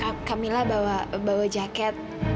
kak mila bawa jaket